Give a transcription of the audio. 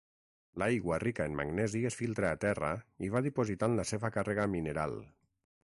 L'aigua rica en magnesi es filtra a terra i va dipositant la seva càrrega mineral.